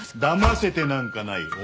だませてなんかない。